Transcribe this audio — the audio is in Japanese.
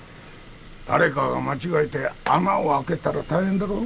誰かが間違えて穴を開けたら大変だろう？